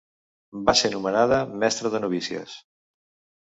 Va ser nomenada mestre de novícies.